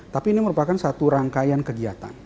tapi ini merupakan satu rangkaian kegiatan